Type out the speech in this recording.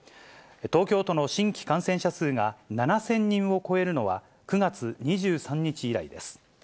東京都の新規感染者数が７０００人を超えるのは、９月２３日以来です。